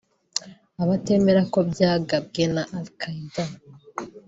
Abatemera ko byagabwe na Al Qaeda